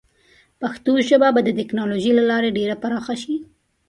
پښتو ژبه به د ټیکنالوجۍ له لارې ډېره پراخه شي.